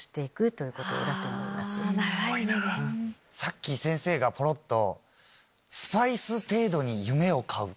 さっき先生がぽろっと。